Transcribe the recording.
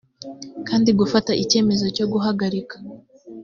kandi gufata icyemezo cyo guhagarika